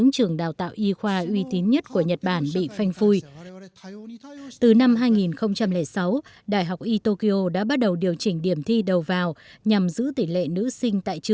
chúng tôi xin lỗi